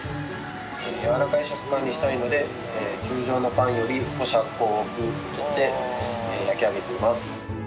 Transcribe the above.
やわらかい食感にしたいので通常のパンより少し発酵を多く取って焼き上げています。